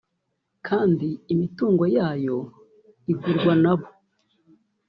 kandi n’ imitungo yayo igurwa nabo